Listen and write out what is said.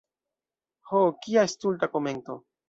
Ho, kia stulta komento!